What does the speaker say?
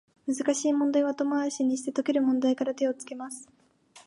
難しい問題は後回しにして、解ける問題から手をつけます